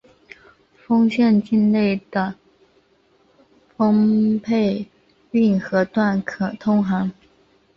丰县境内的丰沛运河段可通航。